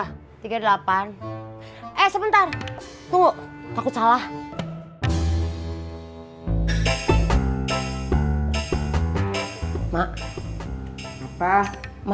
kamu nelpon nggak pakai pembukaan langsung nanya nomor berapa